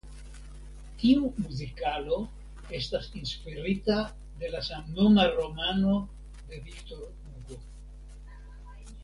Tiu muzikalo estas inspirita de la samnoma romano de Victor Hugo.